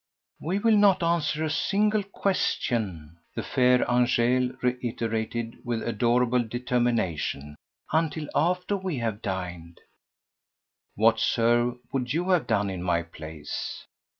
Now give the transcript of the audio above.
"We will not answer a single question," the fair Angèle reiterated with adorable determination, "until after we have dined." What, Sir, would you have done in my place?